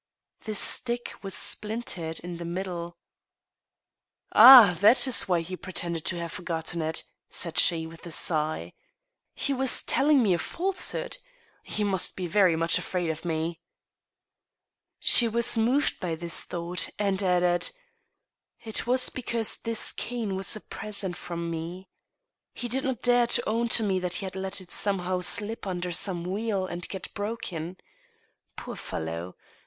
The stick was splintered in the middle. " Ah ! that is why he pretended to have forgotten it," said she, with a sigh. " He was telling me a falsehood. He must be very much afraid of me !" She was moved by this thought, and added :" It was because this cane was a present from me. He did not dare to own to me that he had let it, somehow, slip under some wheel and get broken. Poor fellow